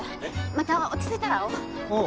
また落ち着いたら会おう。